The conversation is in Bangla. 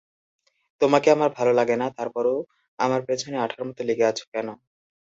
তোমাকে আমার ভালো লাগেনা, তারপরও আমার পেছনে আঠার মত লেগে আছো কেন?